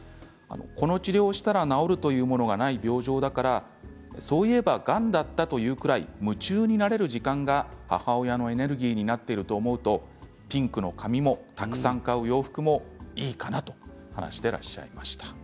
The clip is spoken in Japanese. この治療をしたら治るというものがない病状だからそういえば、がんだったというぐらい夢中になれる時間が母親のエネルギーになっていると思うとピンクの髪もたくさん買う洋服もいいかなと話していらっしゃいました。